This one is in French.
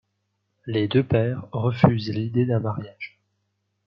Les deux pères refusent l'idée d'un mariage.